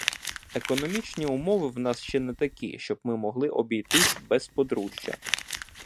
Економічні умови в нас ще не такі, щоб ми могли обійтись без подружжя.